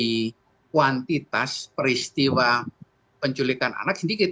jadi kita harus mengingatkan kekuantitas peristiwa penculikan anak sedikit